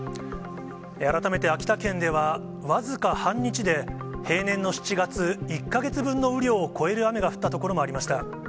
改めて、秋田県では僅か半日で、平年の７月１か月分の雨量を超える雨が降った所もありました。